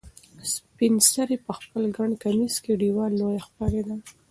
سپین سرې په خپل ګڼ کمیس کې ډېره لویه ښکارېده.